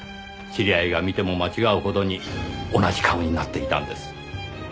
知り合いが見ても間違うほどに同じ顔になっていたんです。